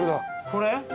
これ？